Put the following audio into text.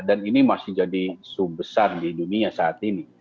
dan ini masih jadi suhu besar di dunia saat ini